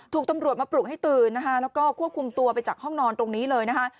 ตำรวจมาปลุกให้ตื่นนะคะแล้วก็ควบคุมตัวไปจากห้องนอนตรงนี้เลยนะคะ